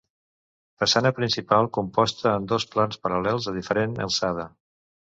Façana principal composta en dos plans paral·lels a diferent alçada.